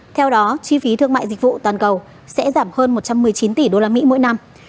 theo đó chi phí thương mại dịch vụ toàn cầu sẽ giảm hơn một trăm một mươi chín tỷ usd mỗi năm